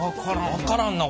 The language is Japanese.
分からんな